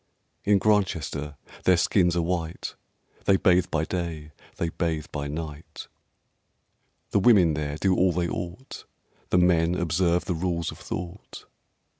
In Grantchester their skins are white; They bathe by day, they bathe by night; The women there do all they ought; The men observe the Rules of Thought.